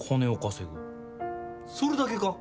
それだけか？